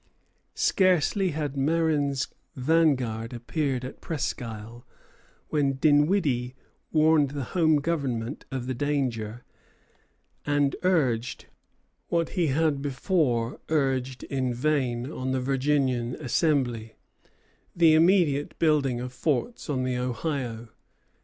Scarcely had Marin's vanguard appeared at Presquisle, when Dinwiddie warned the Home Government of the danger, and urged, what he had before urged in vain on the Virginian Assembly, the immediate building of forts on the Ohio.